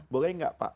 boleh tidak pak